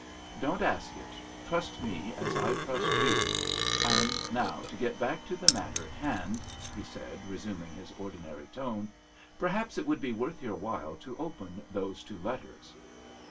"Don't ask it, trust me as I trust you. And now to get back to the matter in hand," he said, resuming his ordinary tone. "Perhaps it would be worth your while to open those two letters."